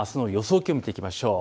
気温を見ていきましょう。